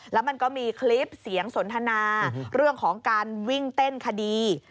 แล้วมันก็มีคลิปเสียงสนทนาเรื่องของการวิ่งเต้นคดี